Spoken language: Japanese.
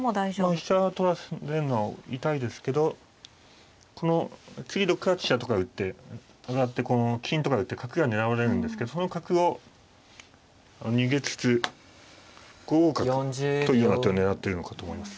飛車取られるのは痛いですけどこの次６八飛車とか打って上がってこの金とか打って角が狙われるんですけどその角を逃げつつ５五角というような手を狙ってるのかと思います。